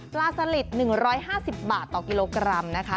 สลิด๑๕๐บาทต่อกิโลกรัมนะคะ